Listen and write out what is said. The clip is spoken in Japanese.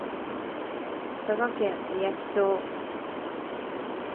佐賀県みやき町